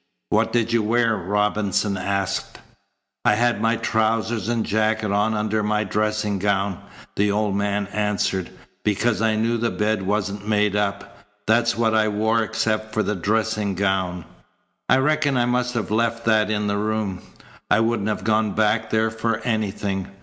"What did you wear?" Robinson asked. "I'd had my trousers and jacket on under my dressing gown," the old man answered, "because I knew the bed wasn't made up. That's what I wore except for the dressing gown. I reckon I must have left that in the room. I wouldn't have gone back there for anything.